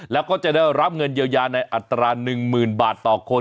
แล้วก็จะได้รับเงินเยียวยาในอัตรา๑๐๐๐บาทต่อคน